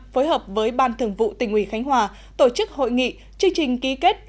phối hợp với ban thường vụ tỉnh ủy khánh hòa tổ chức hội nghị chương trình ký kết